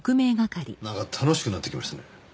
なんか楽しくなってきましたね。